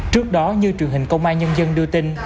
trước đó như truyền hình công an nhân dân đưa tin